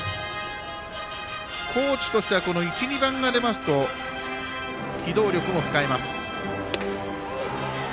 高知としては１、２番が出ますと機動力も使えます。